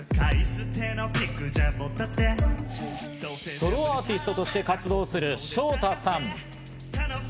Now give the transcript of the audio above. ソロアーティストとして活動するショウタさん。